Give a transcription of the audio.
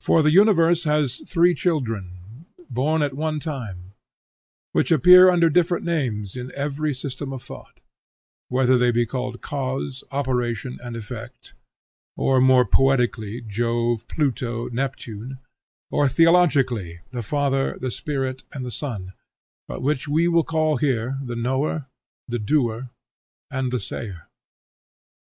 For the Universe has three children, born at one time, which reappear under different names in every system of thought, whether they be called cause, operation, and effect; or, more poetically, Jove, Pluto, Neptune; or, theologically, the Father, the Spirit, and the Son; but which we will call here the Knower, the Doer, and the Sayer.